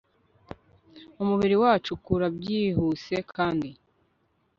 umubiri wacu ukura byihuse kandi